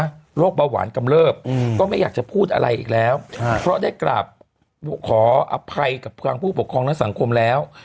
โรคเบาหวานกำเลิบก็ไม่อยากจะพูดอะไรอีกแล้วเพราะได้กราบขออภัยกับทางผู้ปกครองและสังคมแล้ว